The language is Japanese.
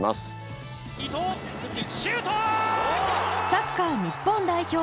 サッカー日本代表